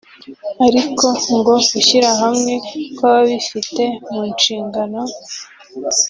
ariko ngo gushyira hamwe kw’ababifite mu nshingano